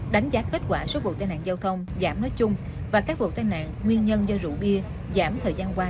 đánh giá kết quả số vụ tai nạn giao thông giảm nói chung và các vụ tai nạn nguyên nhân do rượu bia giảm thời gian qua